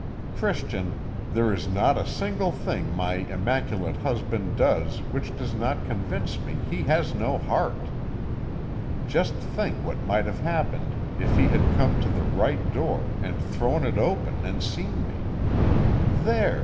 Christian, there is not a single thing my immaculate husband does which does not convince me he has no heart. Just think what might have happened if he had come to the right door and thrown it open and seen me! There!